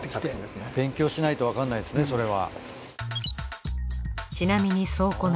勉強しないとわからないですねそれは。